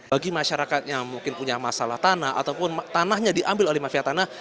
bagi masyarakat yang mungkin punya masalah tanah ataupun tanahnya diambil oleh mafia tanah